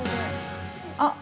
◆あっ。